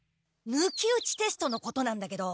抜き打ちテストのことなんだけど。